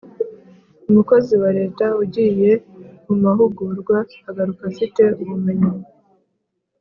Umukozi wa Leta ugiye mu mahugurwa agaruka afite ubumenyi